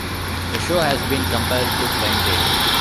The show has been compared to "Blind Date".